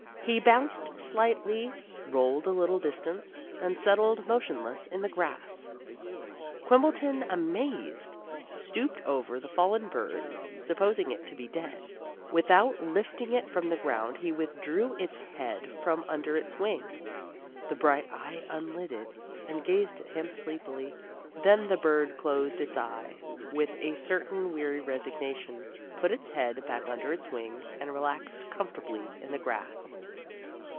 He bounced slightly, rolled a little distance, and settled motionless in the grass. Quimbleton, amazed, stooped over the fallen bird, supposing it to be dead. Without lifting it from the ground he withdrew its head from under its wing. The bright eye unlidded and gazed at him sleepily. Then the bird closed its eye with a certain weary resignation, put its head back under its wing, and relaxed comfortably in the grass.